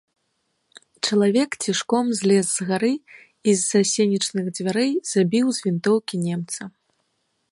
Чалавек цішком злез з гары і з-за сенечных дзвярэй забіў з вінтоўкі немца.